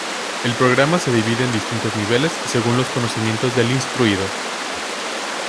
El programa se divide en distintos niveles, según los conocimientos del instruido.